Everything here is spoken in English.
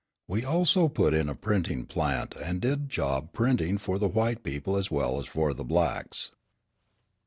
We also put in a printing plant, and did job printing for the white people as well as for the blacks.